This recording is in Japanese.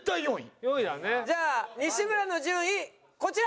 じゃあ西村の順位こちら！